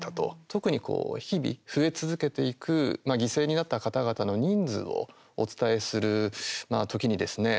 特に、日々増え続けていく犠牲になった方々の人数をお伝えする時にですね